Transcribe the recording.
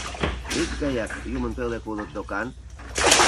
Икгаяк юмын пӧлек улыт докан.